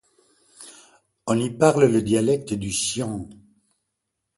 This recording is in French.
On y parle un dialecte du xiang.